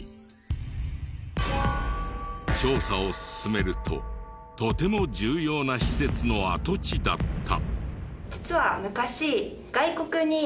調査を進めるととても重要な施設の跡地だった！